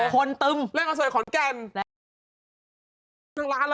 คนตึง